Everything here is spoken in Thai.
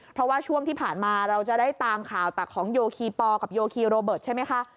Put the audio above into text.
เพราะว่าช่วงที่ผ่านมาเราจะได้ตามข่าวแต่ของโยคีปอลกับโยคีโรเบิร์ตใช่ไหมคะ